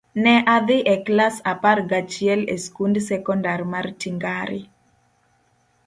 Ne adhi e klas apar gachiel e skund sekondar mar Tingare.